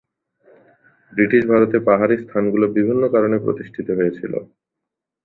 British ভারতে পাহাড়ি স্থানগুলো বিভিন্ন কারণে প্রতিষ্ঠিত হয়েছিল।